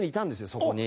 そこに。